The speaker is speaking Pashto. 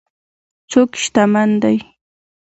څوک شتمن دی.